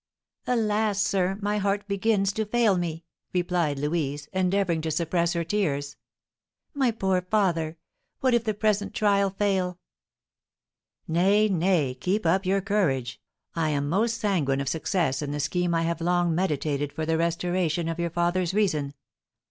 "Alas, sir, my heart begins to fail me!" replied Louise, endeavouring to suppress her tears. "My poor father! What if the present trial fail!" "Nay, nay, keep up your courage! I am most sanguine of success in the scheme I have long meditated for the restoration of your father's reason.